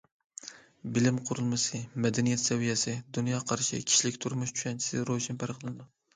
بىلىم قۇرۇلمىسى، مەدەنىيەت سەۋىيەسى، دۇنيا قارىشى، كىشىلىك تۇرمۇش چۈشەنچىسى روشەن پەرقلىنىدۇ.